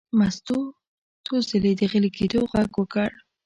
مستو څو ځلې د غلي کېدو غږ وکړ.